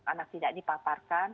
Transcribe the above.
anak tidak dipaparkan